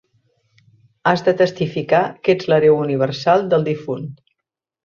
Has de testificar que ets l'hereu universal del difunt.